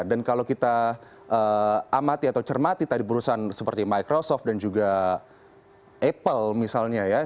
dan kalau kita amati atau cermati tadi perusahaan seperti microsoft dan juga apple misalnya ya